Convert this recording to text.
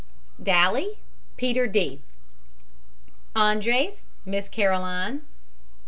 DALY, PETER D. ENDRES, MISS CAROLINE.